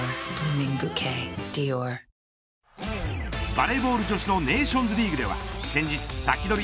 バレーボール女子のネーションズリーグでは先日、サキドリ！